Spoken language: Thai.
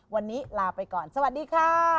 วันนี้ลาไปก่อนสวัสดีค่ะ